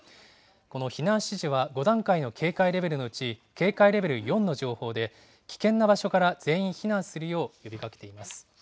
この避難指示は、５段階の警戒レベルのうち警戒レベル４の情報で、危険な場所から全員避難するよう呼びかけています。